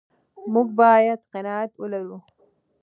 موږ باید قناعت ولرو.